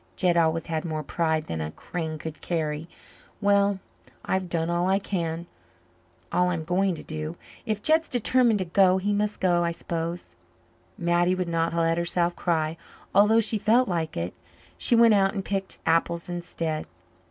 Jed always had more pride than a Crane could carry. Well, I've done all I can all I'm going to do. If Jed's determined to go, he must go, I s'pose." Mattie would not let herself cry, although she felt like it. She went out and picked apples instead.